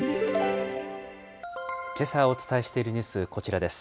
けさお伝えしているニュース、こちらです。